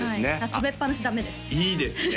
食べっぱなしダメですいいですね